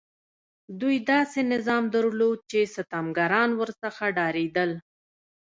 دوی داسې نظام درلود چې ستمګران ورڅخه ډارېدل.